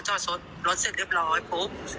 จอดรถเสร็จเรียบร้อยปุ๊บ